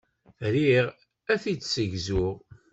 Riɣ ad t-id-ssegzuɣ.